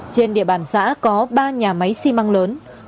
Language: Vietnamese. trên địa bàn xã có ba nhà máy xi măng lớn